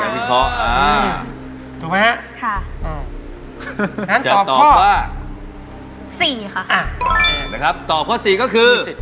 นี่ในการพิเคราะห์